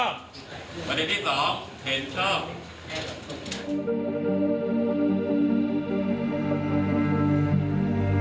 ประเด็นที่สองเห็นชอบ